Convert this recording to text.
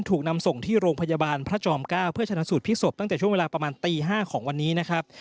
ถูกนำส่งที่โรงพยาบาลพระจอม๙เพื่อชนะสูตรพลิกศพตั้งแต่ช่วงเวลาประมาณตี๕ของวันนี้นะครับ